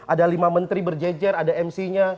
ada lima menteri berjejer ada mc nya